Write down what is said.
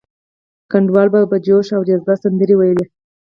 ګډونوالو به په جوش او جذبه سندرې ویلې.